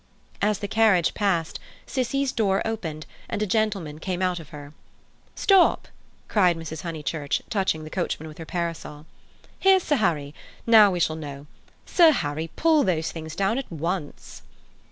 As the carriage passed, "Cissie's" door opened, and a gentleman came out of her. "Stop!" cried Mrs. Honeychurch, touching the coachman with her parasol. "Here's Sir Harry. Now we shall know. Sir Harry, pull those things down at once!"